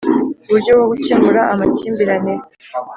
Uburyo bwo gukemura amakimbirane